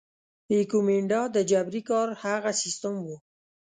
ایکومینډا د جبري کار هغه سیستم وو.